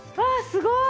すごい！